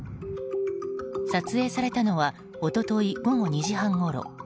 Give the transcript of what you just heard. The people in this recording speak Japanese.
撮影されたのは一昨日午後２時半ごろ。